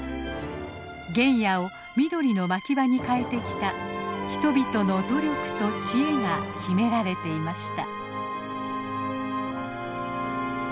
原野を緑の牧場に変えてきた人々の努力と知恵が秘められていました。